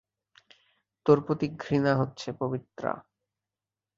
তোর প্রতি ঘৃণ্ণা হচ্ছে, পবিত্রা।